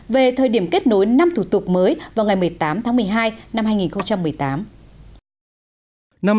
về thời điểm kết nối năm thủ tục mới vào ngày một mươi tám tháng một mươi hai năm hai nghìn một mươi tám